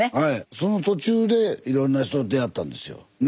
その途中でいろんな人と出会ったんですよね？